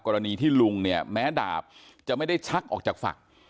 กรณีที่ลุงเนี่ยแม้ดาบจะไม่ได้ชักออกจากฝัก